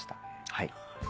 はい。